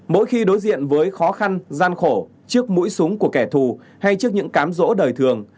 mỗi khi đối diện với khó khăn gian khổ trước mũi súng của kẻ thù hay trước những cám rỗ đời thường